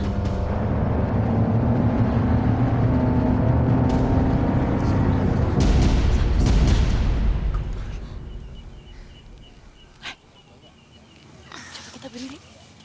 coba kita berdiri